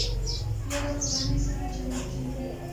یاده کورنۍ سره جلا کېږي.